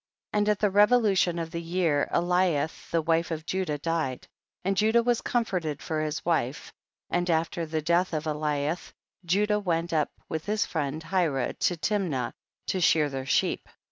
29. And at the revolution of the year, Aliyath the wife of Judah died; and Judah was comforted for his wife, and after the death of Aliyath, Judah went up with his friend Hirah to Timnah to shear their sheep.